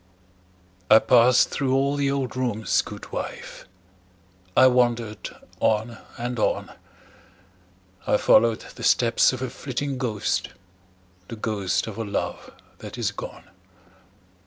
I passed through all the old rooms, good wife; I wandered on and on; I followed the steps of a flitting ghost, The ghost of a love that is gone.